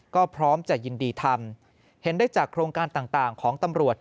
ก็พร้อมจะยินดีทำเห็นได้จากโครงการต่างของตำรวจ